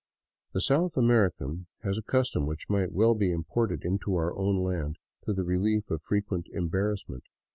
The South American has a custom which might well be imported into our own land, to the relief of frequent embarrassment.